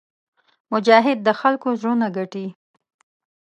مجاهد د خلکو زړونه ګټي.